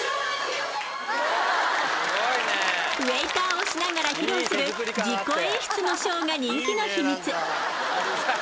ウエイターをしながら披露する自己演出のショーが人気の秘密。